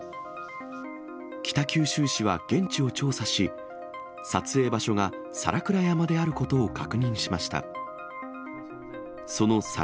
北九州市は現地を調査し、撮影場所が皿倉山であることを確認しました。